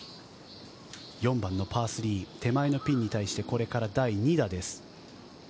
４番のパー３、手前のピンに対してこれから第２打です。